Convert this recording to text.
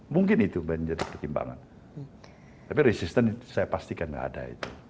mungkin itu yang menjadi pertimbangan tapi resisten itu saya pastikan enggak ada